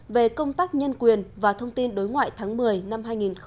về công tác nhân quyền và thông tin đối ngoại tháng một mươi năm hai nghìn một mươi chín